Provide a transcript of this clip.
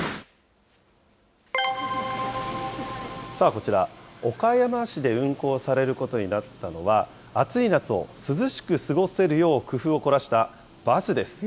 こちら、岡山市で運行されることになったのは、暑い夏を涼しく過ごせるよう工夫を凝らしたバスです。